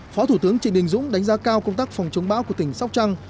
phó thủ tướng trịnh đình dũng đánh giá cao công tác phòng chống bão của tỉnh sóc trăng